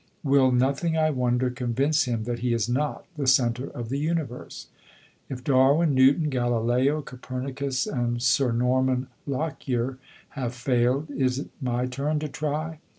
Will nothing, I wonder, convince him that he is not the centre of the Universe? If Darwin, Newton, Galileo, Copernicus and Sir Norman Lockyer have failed, is it my turn to try?